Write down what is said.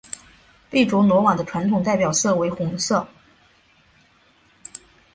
贝卓罗瓦的传统代表色为红色。